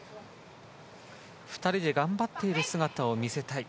２人で頑張っている姿を見せたい。